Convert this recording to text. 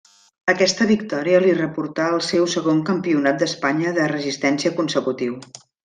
Aquesta victòria li reportà el seu segon Campionat d'Espanya de resistència consecutiu.